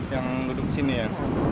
yang duduk sini ya